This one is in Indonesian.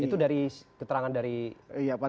itu dari keterangan dari